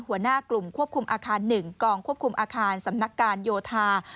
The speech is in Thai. หัวหน้ากลุ่มควบคุมอาคาร๑กองควบคุมอาคารสำนักการโยธา